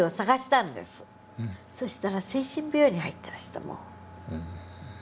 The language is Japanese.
そしたら精神病院に入ってらした。